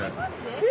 え！